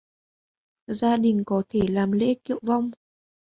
Gia đình có thể làm lễ kiệu vong